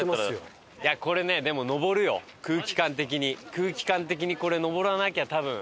空気感的にこれ上らなきゃ多分。